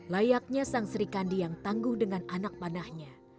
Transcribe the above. layaknya sang sri kandi yang tangguh dengan anak panahnya